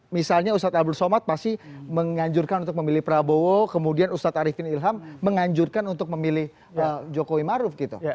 misalnya ustadz abdul somad pasti menganjurkan untuk memilih prabowo kemudian ustadz arifin ilham menganjurkan untuk memilih jokowi maruf gitu